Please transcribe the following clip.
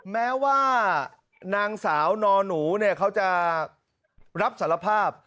แม้ว่านางสาวนอนหนูเขาจะรับสารภาพ